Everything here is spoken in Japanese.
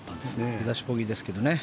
出だしボギーですけどね。